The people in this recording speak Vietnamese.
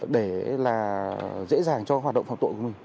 để là dễ dàng cho hoạt động phạm tội của mình